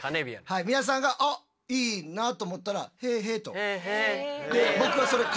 皆さんが「あっいいな」と思ったら「へぇへぇ」と。